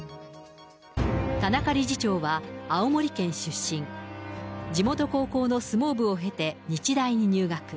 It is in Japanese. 田中理事長は青森県出身、地元高校の相撲部を経て、日大に入学。